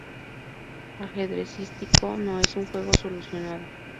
Ajedrecístico no es un juego solucionado.